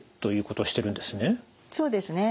そうですね。